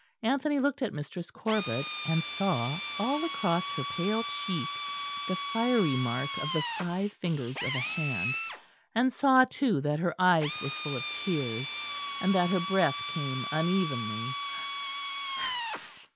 Anthony looked at Mistress Corbet, and saw all across her pale cheek the fiery mark of the five fingers of a hand, and saw too that her eyes were full of tears, and that her breath came unevenly.